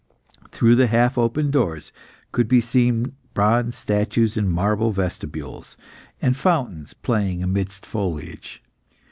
Through the half open doors could be seen bronze statues in marble vestibules, and fountains playing amidst foliage.